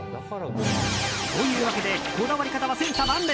というわけでこだわり方は千差万別。